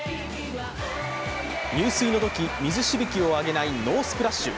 入水のとき、水しぶきを上げないノースプラッシュ。